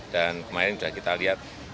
dan kemarin sudah kita lihat